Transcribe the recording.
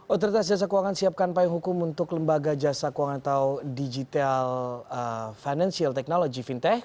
otoritas jasa keuangan siapkan payung hukum untuk lembaga jasa keuangan atau digital financial technology fintech